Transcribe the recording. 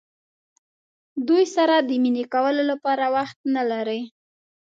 دوی سره د مینې کولو لپاره وخت نه لرئ.